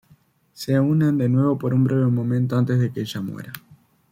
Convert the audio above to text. Se unen de nuevo por un breve momento antes de que ella muera.